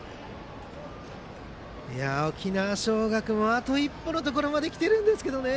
沖縄尚学もあと一歩のところまできてるんですけどね。